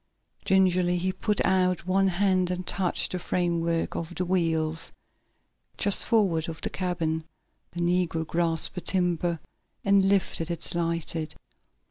Gingerly he put out one hand and touched the framework of the wheels, just forward of the cabin. The negro grasped the timber, and lifted it slightly.